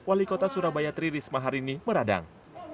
wali kota surabaya tri risma hariri meradang